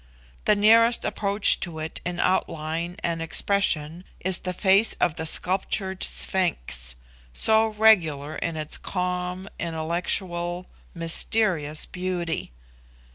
The nearest approach to it in outline and expression is the face of the sculptured sphinx so regular in its calm, intellectual, mysterious beauty.